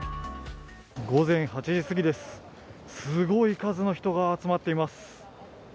午前８時すぎです、すごい数の人が集まっています。